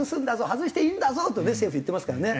外していいんだぞ！と政府いってますからね。